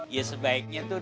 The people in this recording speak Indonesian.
ya sebaiknya tuh